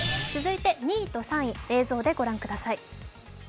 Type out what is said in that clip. ２位と３位、映像でご覧ください。